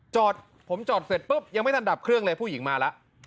จอดผมก็จอดเต็ดปึ๊บยังไม่รับเครื่องเลยผู้หญิงมาแล้ว